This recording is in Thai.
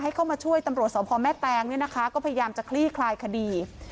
เข้ามาช่วยตำรวจสอบพ่อแม่แตงเนี่ยนะคะก็พยายามจะคลี่คลายคดี